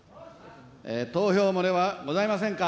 投票漏れはございませんか。